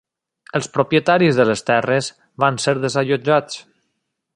Els propietaris de les terres van ser desallotjats.